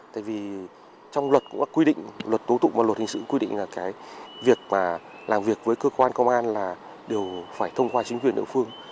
tại vì trong luật cũng đã quy định luật tố tụng và luật hình sự quy định là cái việc mà làm việc với cơ quan công an là đều phải thông qua chính quyền địa phương